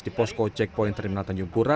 di posko checkpoint terminal tanjung pura